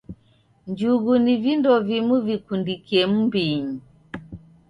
Njugu ni vindo vimu vikundikie m'mbinyi.